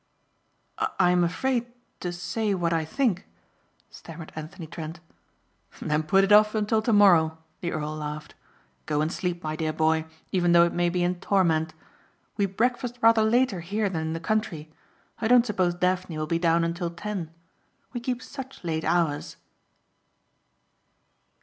"I am afraid to say what I think," stammered Anthony Trent. "Then put it off until tomorrow," the earl laughed, "Go and sleep, my dear boy, even though it may be in torment. We breakfast rather later here than in the country. I don't suppose Daphne will be down until ten. We keep such late hours."